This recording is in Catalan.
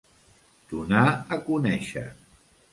Donar a conèixer.